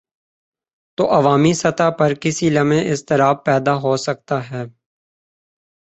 تو عوامی سطح پر کسی لمحے اضطراب پیدا ہو سکتا ہے۔